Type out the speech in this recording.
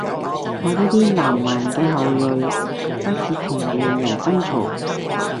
我呢啲南蠻嘅後裔，不屑同文明人爭吵